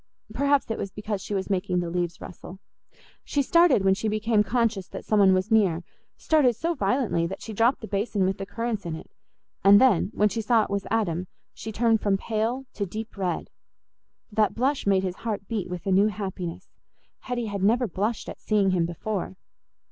Perhaps it was because she was making the leaves rustle. She started when she became conscious that some one was near—started so violently that she dropped the basin with the currants in it, and then, when she saw it was Adam, she turned from pale to deep red. That blush made his heart beat with a new happiness. Hetty had never blushed at seeing him before.